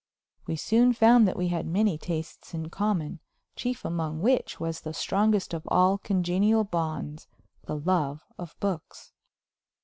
We soon found that we had many tastes in common, chief among which was the strongest of all congenial bonds, the love of books.